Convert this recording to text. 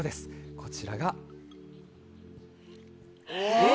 こちらが。え！